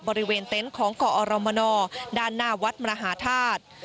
บริเวณเต็นต์ของเกาะอรมณอด้านหน้าวัดมหาธาตุ